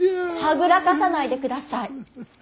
はぐらかさないでください！